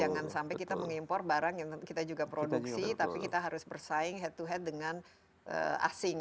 jangan sampai kita mengimpor barang yang kita juga produksi tapi kita harus bersaing head to head dengan asing